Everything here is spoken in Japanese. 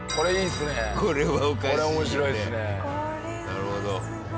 なるほど。